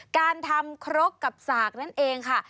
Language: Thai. การทำครกกับสากนั่นเองค่ะ